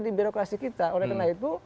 di birokrasi kita oleh karena itu